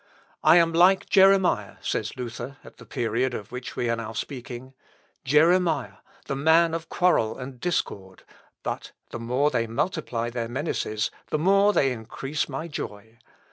"I am like Jeremiah," says Luther, at the period of which we are now speaking; "Jeremiah, the man of quarrel and discord; but the more they multiply their menaces the more they increase my joy.